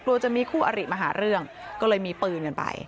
กลัวจะมีคู่อริมาหาเรื่องก็เลยมีปืนกันไป